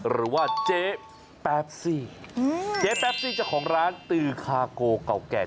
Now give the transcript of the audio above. หรือว่าเจ๊แป๊บซี่เจ๊แป๊บซี่เจ้าของร้านตือคาโกเก่าแก่